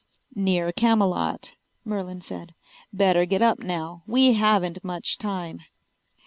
"Near Camelot," Merlin said. "Better get up now. We haven't much time."